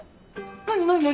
何何何？